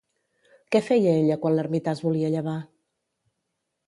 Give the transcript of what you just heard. Què feia ella quan l'ermità es volia llevar?